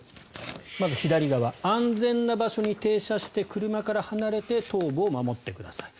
まず左側安全な場所に停車して車から離れて頭部を守ってください。